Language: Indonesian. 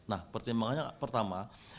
nah pertimbangannya pertama